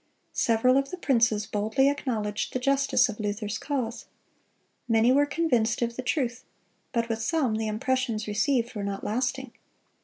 Several of the princes boldly acknowledged the justice of Luther's cause. Many were convinced of the truth; but with some the impressions received were not lasting.